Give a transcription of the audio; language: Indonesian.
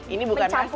ini bukan masak